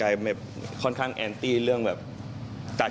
กายค่อนข้างแอนตี้เรื่องแบบตัดช่าง